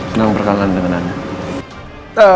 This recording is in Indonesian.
senang berkenangan dengan anda